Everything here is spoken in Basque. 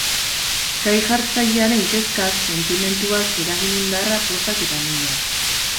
Gai-jartzailearen kezkak, sentimentuak, eragin-indarra, pozak eta minak.